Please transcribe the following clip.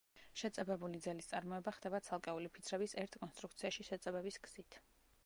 შეწებებული ძელის წარმოება ხდება ცალკეული ფიცრების ერთ კონსტრუქციაში შეწებების გზით.